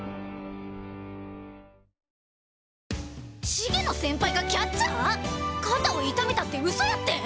茂野先輩がキャッチャー⁉肩を痛めたってうそやってん⁉